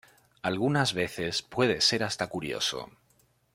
Algunas veces puede ser hasta curioso.